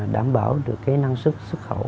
đảm bảo được năng sản xuất khẩu gạo